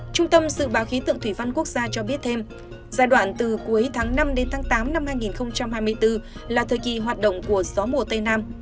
trung tâm dự báo khí tượng thủy văn quốc gia cho biết thêm giai đoạn từ cuối tháng năm đến tháng tám năm hai nghìn hai mươi bốn là thời kỳ hoạt động của gió mùa tây nam